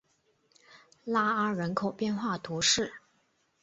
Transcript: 拉阿人口变化图示